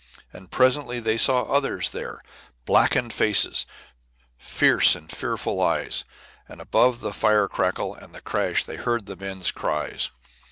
And presently they saw others there, blackened faces, fierce and fearful eyes. And above the fire crackle and the crash of water they heard men's cries.